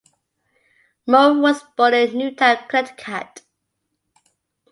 Morris was born in Newtown, Connecticut.